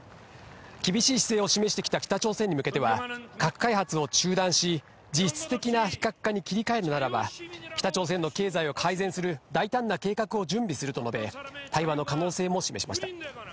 厳しい姿勢を示してきた北朝鮮に向けては、核開発を中断し、実質的な非核化に切り替えるならば、北朝鮮の経済を改善する大胆な計画を準備すると述べ、対話の可能性も示しました。